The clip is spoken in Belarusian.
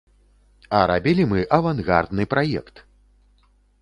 А рабілі мы авангардны праект!